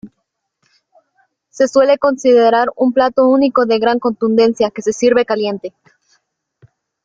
Se suele considerar un plato único de gran contundencia que se sirve caliente.